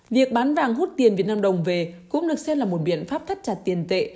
việc bán vàng hút tiền việt nam đồng về cũng được xem là một biện pháp thắt chặt tiền tệ